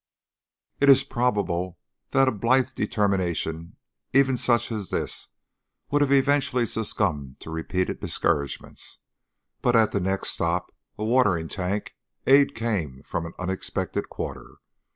It is probable that a blithe determination even such as this would have eventually succumbed to repeated discouragements, but at the next stop, a watering tank, aid came from an unexpected quarter.